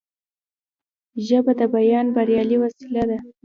ژبه د بیان بریالۍ وسیله ده